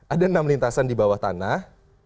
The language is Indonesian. ada enam lintasan di bawah tanah